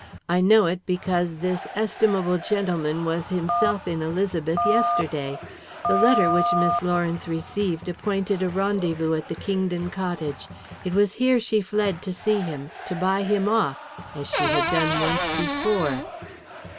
I know it because this estimable gentleman was himself in Elizabeth yesterday. The letter which Miss Lawrence received appointed a rendezvous at the Kingdon cottage. It was here she fled to see him to buy him off, as she had done once before."